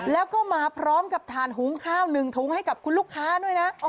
แล้วก็มาพร้อมกับถ่านหุงข้าว๑ถุงให้กับคุณลูกค้าด้วยนะ